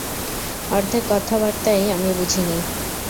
অর্ধেক কথাবার্তাই আমি বুঝিনি!